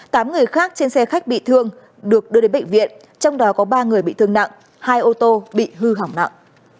tám người khác trên xe khách bị thương được đưa đến bệnh viện trong đó có ba người bị thương nặng hai ô tô bị hư hỏng nặng